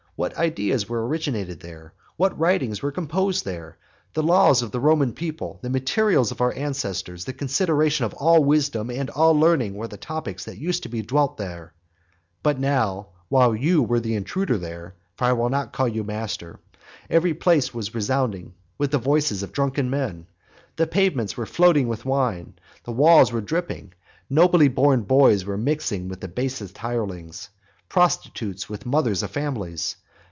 what ideas were originated there! what writings were composed there! The laws of the Roman people, the memorials of our ancestors, the consideration of all wisdom, and all learning, were the topics that used to be dwelt on then; but now, while you were the intruder there, (for I will not call you the master,) every place was resounding with the voices of drunken men; the pavements were floating with wine; the walls were dripping; nobly born boys were mixing with the basest hirelings; prostitutes with mothers of families.